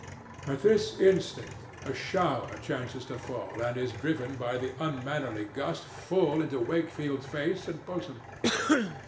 At this instant a shower chances to fall, and is driven by the unmannerly gust full into Wakefield's face and bosom.